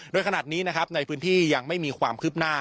โดยขนาดนี้นะครับในพื้นที่ยังไม่มีความคืบหน้า